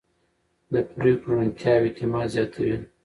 د پرېکړو روڼتیا اعتماد زیاتوي